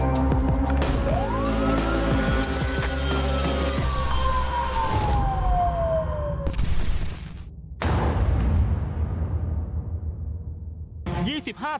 สวัสดีครับ